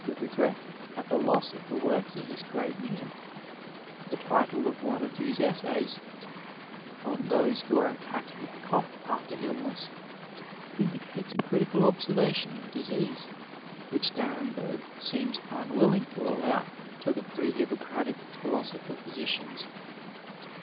47 Digitized by Google PHYSIC AND PHYSICIANS regret at the loss of the works of this great man, the title of one of whose essays, " On Those who are Attacked with Cough after IQness" indicates a critical observation of disease, which Daremberg seems unwilling to allow to the pre Hippocratic philosopher physicians.